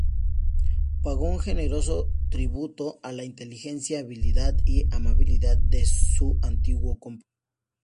Pagó un generoso tributo a la inteligencia, habilidad y amabilidad de su antiguo compañero.